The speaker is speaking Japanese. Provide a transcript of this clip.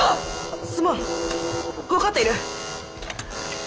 すまん分かっている！